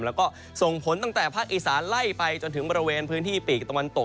แล้วก็ส่งผลตั้งแต่ภาคอีสานไล่ไปจนถึงบริเวณพื้นที่ปีกตะวันตก